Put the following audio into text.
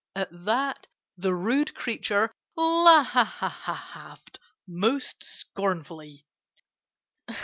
At that the rude creature laughed most scornfully.